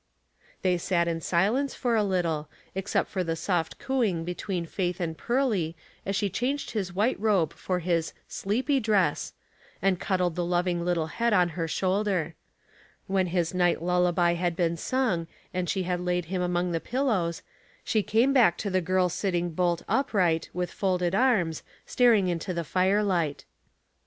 They sat in silence for a little, except for the soft cooing between Faith and Pearly as she changed his white robe for his " sleepy dress," and cuddled the loving little head on her shoulder. When his night lullaby had been 314 Household Puzzles. sung and she had laid him among the pillows, she came back to the girl sitting bolt upright, with folded arms, staring into the firelight.